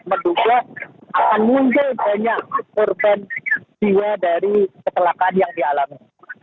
jadi menurut saya akan muncul banyak korban jiwa dari ketelakaan yang dialami